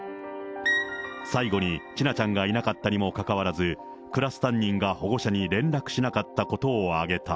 最後に千奈ちゃんがいなかったにもかかわらず、クラス担任が保護者に連絡しなかったことを挙げた。